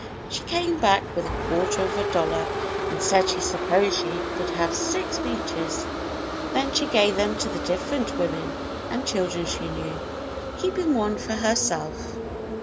She came back with a quarter of a dol lar and said she supposed she could have six peaches. Then she gave them to the different women and chil dren she knew, keeping one for herself.